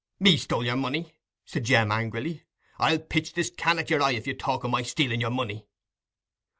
"Me stole your money!" said Jem, angrily. "I'll pitch this can at your eye if you talk o' my stealing your money."